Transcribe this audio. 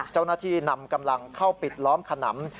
เจ้าหน้าที่นำกำลังเข้าปิดล้อมขนำ